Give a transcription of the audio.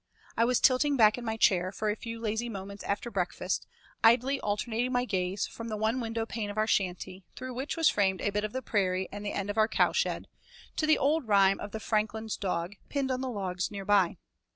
I was tilting back in my chair for a few lazy moments after breakfast, idly alternating my gaze from the one window pane of our shanty, through which was framed a bit of the prairie and the end of our cowshed, to the old rhyme of the 'Franckelyn's dogge' pinned on the logs near by.